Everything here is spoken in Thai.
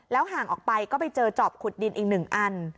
ห่างออกไปก็ไปเจอจอบขุดดินอีก๑อัน